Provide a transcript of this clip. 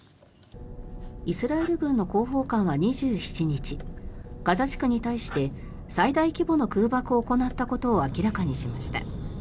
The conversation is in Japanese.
イスラエル軍の広報官は２７日ガザ地区に対して最大規模の空爆を行ったことを明らかにしました。